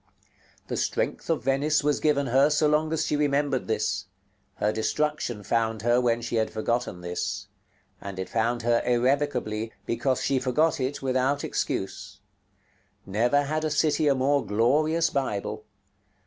The strength of Venice was given her, so long as she remembered this: her destruction found her when she had forgotten this; and it found her irrevocably, because she forgot it without excuse. Never had city a more glorious Bible.